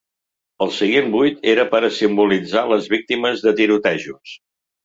El seient buit era per a simbolitzar les víctimes de tirotejos.